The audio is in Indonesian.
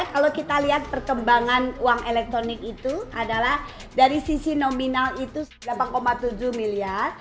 kalau kita lihat perkembangan uang elektronik itu adalah dari sisi nominal itu delapan tujuh miliar